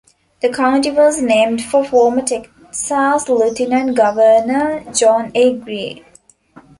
The county was named for former Texas lieutenant governor, John A. Greer.